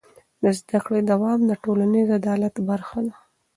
د زده کړې دوام د ټولنیز عدالت برخه ده.